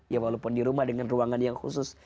ya walaupun di rumah dengan ruangan yang khusus